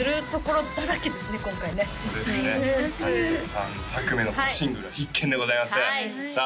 ３３作目のシングルは必見でございますさあ